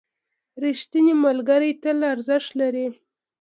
ریښتیني ملګري تل ارزښت لري.